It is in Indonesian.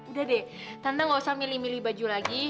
udah deh tante ga usah milih milih baju lagi